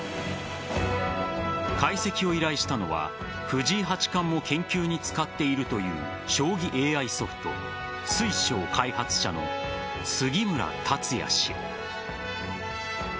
解析を依頼したのは藤井八冠も研究に使っているという将棋ＡＩソフト水匠開発者の杉村達也氏。